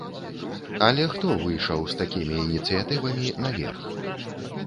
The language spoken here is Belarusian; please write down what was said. Але хто выйшаў з такімі ініцыятывамі наверх?